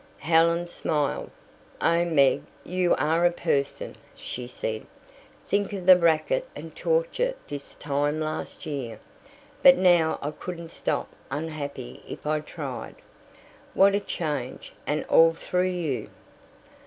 Helen smiled. "Oh, Meg, you are a person," she said. "Think of the racket and torture this time last year. But now I couldn't stop unhappy if I tried. What a change and all through you!"